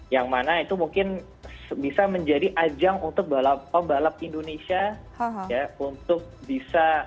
yang mana itu mungkin bisa menjadi ajang untuk pembalap indonesia untuk bisa tampil gitu